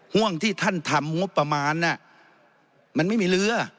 ห่วงที่ท่านทำงบประมาณน่ะมันไม่มีเรือ